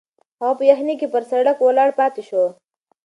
هغه په یخني کې پر سړک ولاړ پاتې شو.